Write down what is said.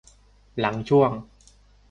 หลังช่วง